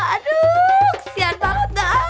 aduh kesian banget deh